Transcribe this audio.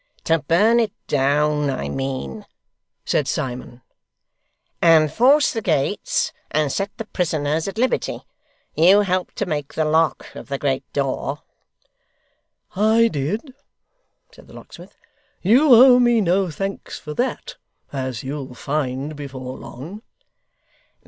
'To burn it down, I mean,' said Simon, 'and force the gates, and set the prisoners at liberty. You helped to make the lock of the great door.' 'I did,' said the locksmith. 'You owe me no thanks for that as you'll find before long.